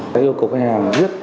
cái yêu cầu khách hàng viết